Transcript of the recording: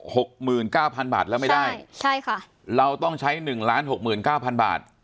หกหมื่นเก้าพันบาทแล้วไม่ได้ใช่ค่ะเราต้องใช้หนึ่งล้านหกหมื่นเก้าพันบาท